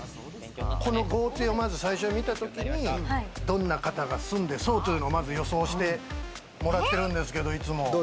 この豪邸をまず最初に見たときに、どんな方が住んでそうというのをまず予想してもらってるんですけれどもいつも。